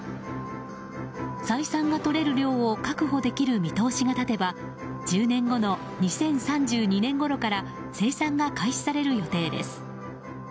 採算がとれる量を確保できる見通しが立てば１０年後の２０３２年ごろから生産が開始される予定です。